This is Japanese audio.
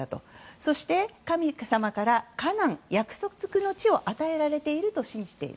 そして、神様からカナン約束の地を与えられていると信じている。